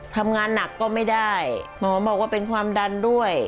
ทำงานหนักก็ไม่ได้หมอบอกว่าเป็นความดันด้วย